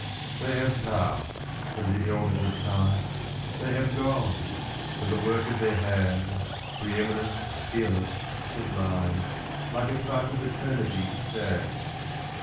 They have passed, have the elders of time they have gone; but the work of their hands, Pre eminent, peerless, sublime, like a type of eternity stands!